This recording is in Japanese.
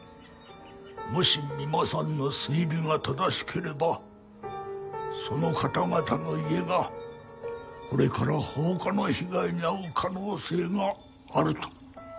もし三馬さんの推理が正しければその方々の家がこれから放火の被害に遭う可能性があると。